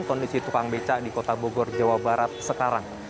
kondisi tukang beca di kota bogor jawa barat sekarang